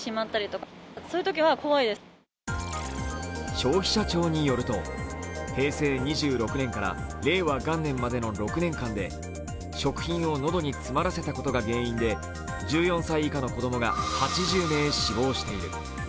消費者庁によると、平成２６年から令和元年までの６年間で、食品を喉に詰まらせたことが原因で１４歳以下の子供が８０名死亡している。